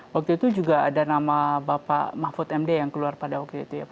waktu itu juga ada nama bapak mahfud md yang keluar pada waktu itu ya pak